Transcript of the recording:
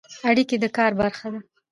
اړیکې د کار برخه ده